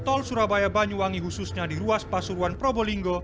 tol surabaya banyuwangi khususnya di ruas pasuruan probolinggo